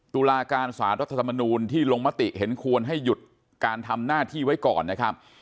ตุลาการสารรัฐธรรมนูลที่ลงมติเห็นควรให้หยุดการทำหน้าที่ไว้ก่อนนะครับ